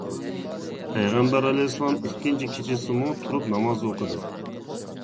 پەيغەمبەر ئەلەيھىسسالام ئىككىنچى كېچىسىمۇ تۇرۇپ ناماز ئوقۇدى.